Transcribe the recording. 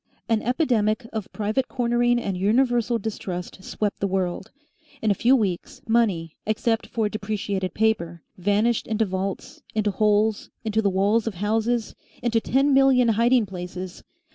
An epidemic of private cornering and universal distrust swept the world. In a few weeks, money, except for depreciated paper, vanished into vaults, into holes, into the walls of houses, into ten million hiding places.